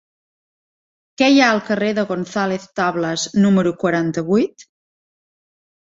Què hi ha al carrer de González Tablas número quaranta-vuit?